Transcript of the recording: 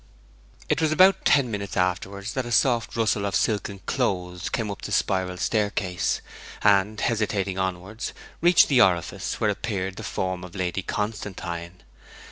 It was about ten minutes afterwards that a soft rustle of silken clothes came up the spiral staircase, and, hesitating onwards, reached the orifice, where appeared the form of Lady Constantine.